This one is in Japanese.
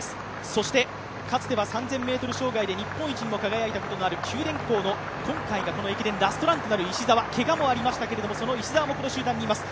そしてかつては３０００ｍ障害で日本一にも輝いたことのある九電工の今回がこの駅伝、ラストランとなる石澤けがもありましたけれども、石澤もこの集団にいます。